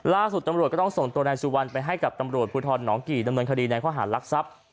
ล่าสุดตำรวจก็ต้องส่งตัวนายสุวรรณไปให้กับตำรวจภูทรหนองกี่ดำเนินคดีในข้อหารลักทรัพย์